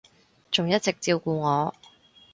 仲一直照顧我